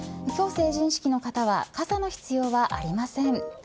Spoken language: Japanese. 今日、成人式の方は傘の必要はありません。